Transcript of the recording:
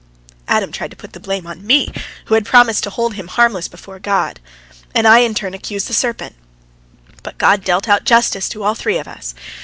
" Adam tried to put the blame on me, who had promised to hold him harmless before God. And I in turn accused the serpent. But God dealt out justice to all three of us.